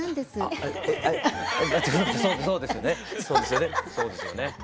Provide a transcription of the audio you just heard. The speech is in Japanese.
そうですよね